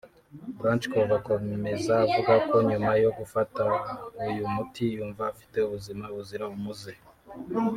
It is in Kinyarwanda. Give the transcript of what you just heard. Brouchkov akomeza avuga ko nyuma yo gufata uyu muti yumva afite ubuzima buzira umuze